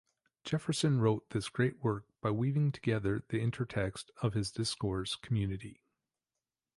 Jefferson wrote this great work by weaving together the intertext of his discourse community.